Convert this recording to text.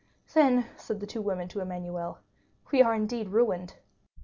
"Then," said the two women to Emmanuel, "we are indeed ruined."